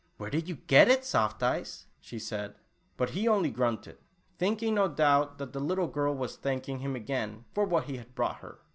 "Where did you get it, Soft Eyes?" she said, but he only grunted, thinking, no doubt, that the little girl was thanking him again for what he had brought her.